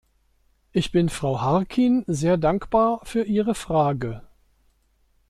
Ich bin Frau Harkin sehr dankbar für ihre Frage.